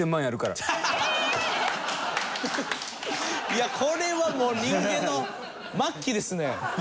いやこれはもう人間の末期ですね。